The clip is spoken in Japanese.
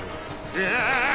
うわ！